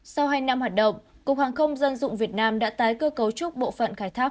sau hai năm hoạt động cục hàng không dân dụng việt nam đã tái cơ cấu trúc bộ phận khai thác